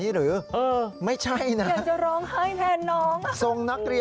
หึทรงอะไร